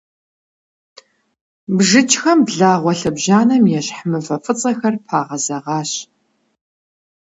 БжыкӀхэм благъуэ лъэбжьанэм ещхь мывэ фӀыцӀэхэр пагъэзэгъащ.